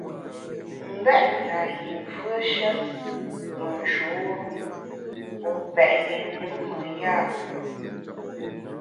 M’bèt na yi mfùeshe me nshur-u, wu pèt yi ndùm me ya ?